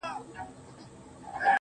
هغه تر اوسه د دوو سترگو په تعبير ورک دی_